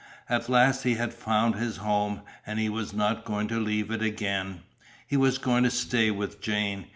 At last he had found his home, and he was not going to leave it again. He was going to stay with Jane.